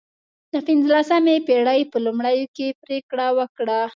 د پنځلسمې پېړۍ په لومړیو کې پرېکړه وکړه.